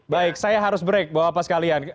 baik saya harus break bapak bapak sekalian